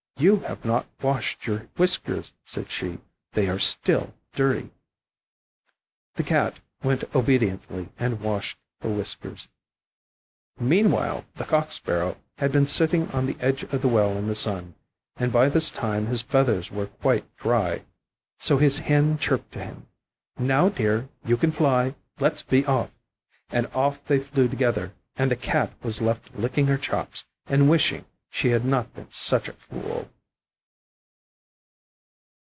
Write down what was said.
"You have not washed your whiskers," said she; "they are still dirty." The Cat went obediently and washed her whiskers. Meanwhile the Cock sparrow had been sitting on the edge of the well in the sun, and by this time his feathers were quite dry. So his Hen chirped to him, "Now, dear, you can fly, let's be off." And off they flew together, and the Cat was left licking her chops and wishing she had not been such a fool.